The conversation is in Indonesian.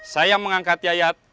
saya mengangkat yayat